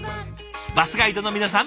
バスガイドの皆さん